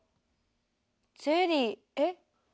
ゼリーえ？